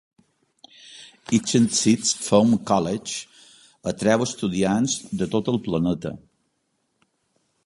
Itchen Sixth Form College atrau estudiants de tot el planeta.